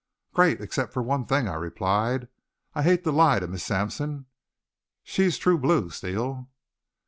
"Great except for one thing," I replied. "I hate to lie to Miss Sampson. She's true blue, Steele."